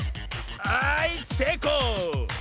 はいせいこう！